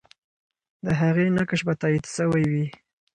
د هغې نقش به تایید سوی وي.